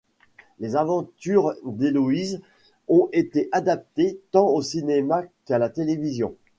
Les aventures d'Eloise ont été adaptées tant au cinéma qu'à la télévision.